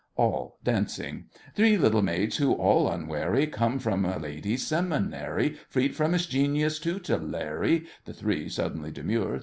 ALL (dancing). Three little maids who, all unwary, Come from a ladies' seminary, Freed from its genius tutelary— THE THREE (suddenly demure).